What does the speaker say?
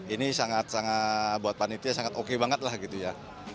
ini sangat sangat buat panitia sangat oke banget lah gitu ya